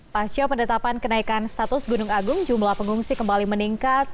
pasca penetapan kenaikan status gunung agung jumlah pengungsi kembali meningkat